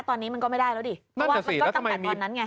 ตอนนี้มันก็ไม่ได้แล้วดินั่นแหละสิแล้วทำไมมีตั้งแต่ตอนนั้นไง